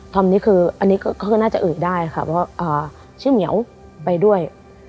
ธรรมนี้คืออันนี้ก็ก็คือน่าจะเอ๋ยได้ค่ะเพราะอ่าชื่อเหงียวไปด้วย